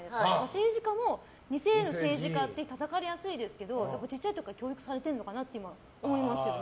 政治家も２世の政治家ってたたかれやすいですけど小さい時から教育されてるのかなって思いますよね。